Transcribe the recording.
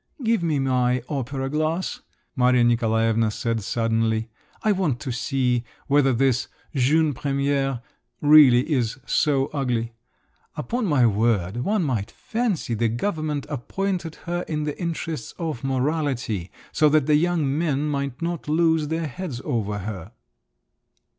"Give me my opera glass," Maria Nikolaevna said suddenly. "I want to see whether this jeune première really is so ugly. Upon my word, one might fancy the government appointed her in the interests of morality, so that the young men might not lose their heads over her."